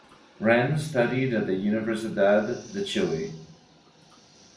Renz studied at the Universidad de Chile.